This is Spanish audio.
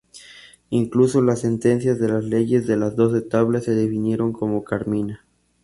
Incluso las sentencias de las leyes de las Doce Tablas se definieron como "carmina".